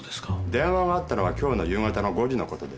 電話があったのは今日の夕方の５時のことです。